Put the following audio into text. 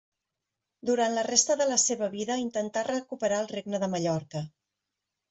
Durant la resta de la seva vida intentà recuperar el Regne de Mallorca.